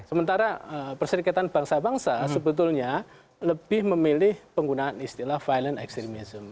sementara perserikatan bangsa bangsa sebetulnya lebih memilih penggunaan istilah violent extremism